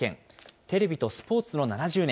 テレビとスポーツの７０年。